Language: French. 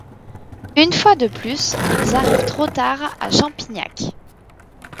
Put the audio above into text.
Une fois de plus, ils arrivent trop tard à Champignac.